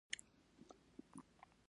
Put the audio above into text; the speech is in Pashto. آیا بهرنۍ پانګونه به را نشي؟